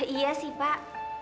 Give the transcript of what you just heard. iya sih pak